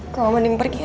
kamu sebaiknya pergi saja